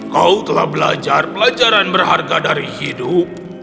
kau telah belajar pelajaran berharga dari hidup